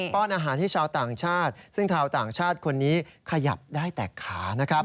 ้อนอาหารให้ชาวต่างชาติซึ่งชาวต่างชาติคนนี้ขยับได้แต่ขานะครับ